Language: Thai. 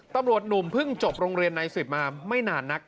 ตำรวจหนุ่มเพิ่งจบโรงเรียนใน๑๐มาไม่นานนัก